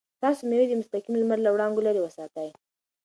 تاسو مېوې د مستقیم لمر له وړانګو لرې وساتئ.